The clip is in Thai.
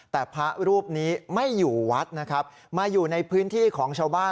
แต่พระรูปนี้ไม่อยู่วัดนะครับมาอยู่ในพื้นที่ของชาวบ้าน